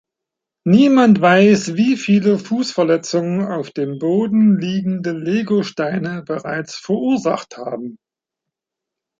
Niemand weiß, wie viele Fußverletzungen auf dem Boden liegende Legosteine bereits verursacht haben.